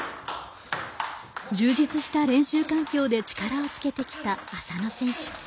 充実した練習環境で力をつけてきた浅野選手。